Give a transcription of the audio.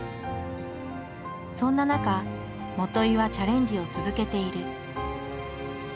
そんな中元井はチャレンジを続けている。